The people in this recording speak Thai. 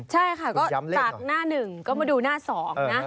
ใช่ค่ะก็จากหน้าหนึ่งก็มาดูหน้า๒นะ